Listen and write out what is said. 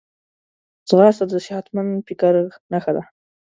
ځغاسته د صحتمند فکر نښه ده